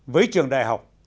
với trường đại học